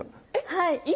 はい。